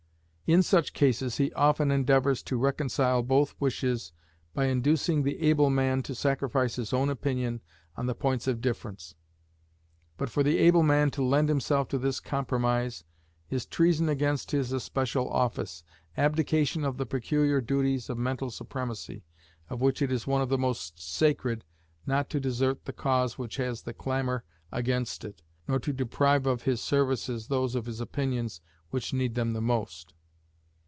In such cases he often endeavours to reconcile both wishes by inducing the able man to sacrifice his own opinion on the points of difference; but for the able man to lend himself to this compromise is treason against his especial office abdication of the peculiar duties of mental supremacy, of which it is one of the most sacred not to desert the cause which has the clamor against it, nor to deprive of his services those of his opinions which need them the most.